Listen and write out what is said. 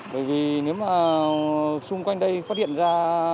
bởi vì nếu mà xung quanh đây phát hiện ra